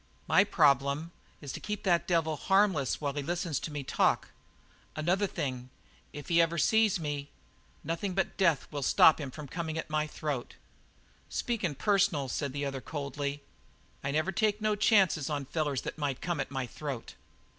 My problem is to keep that wild devil harmless while he listens to me talk. Another thing if he ever sees me, nothing but death will stop him from coming at my throat." "Speakin' personal," said the other coldly, "I never take no chances on fellers that might come at my throat."